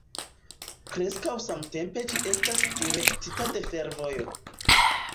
Preskaŭ samtempe ĝi estas direktita de fervojo.